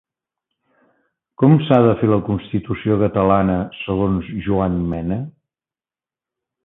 Com s'ha de fer la constitució catalana segons Joan Mena?